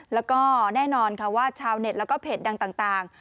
แล้วก็แน่นอนค่ะว่าชาวเน็ตแล้วก็เพจดังต่าง